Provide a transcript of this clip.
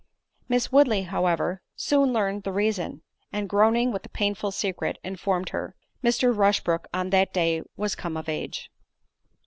Miss Woodley however, soon learned the reason, and groaning with the painful secret, informed her, "Mr. Rushbrook on that day was come of age."